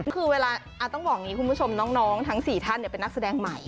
คือเวลาต้องบอกอย่างนี้คุณผู้ชมน้องทั้ง๔ท่านเป็นนักแสดงใหม่